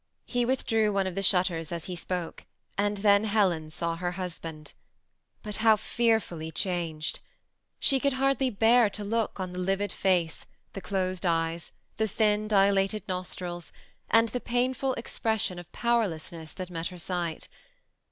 He withdrew one of the shutters as he spoke, and then Helen saw her hus band. But how fearfully changed I She could hardly bear to look on the livid face, the (dosed eyes, the thin dilated nostrils, and the painful expression of power lessness that met her sight.